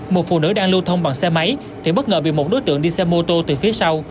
một phụ nữ đang lưu thông bằng xe máy thì bất ngờ bị một đối tượng đi xe mô tô từ phía sau